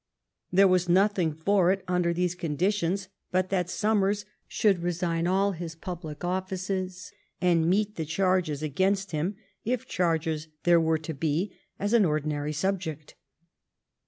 There was nothing for it, 326 THE TRIUMPH OF THE TORIES under these conditions, but that Somers should resign all his public offices and meet the charges against him, if charges there were to be, as an ordinary subject.